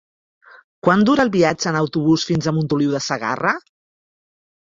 Quant dura el viatge en autobús fins a Montoliu de Segarra?